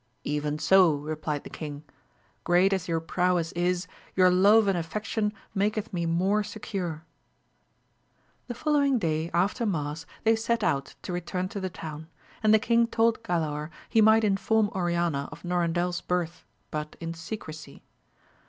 Even so, replied the king ; great as your prowess is, your love and affection maketh me more secure. The fol lowing day after mass they set out to return to the town, and the king told Galaor he might inform Oriana of Norandel's birth, but in secrecy.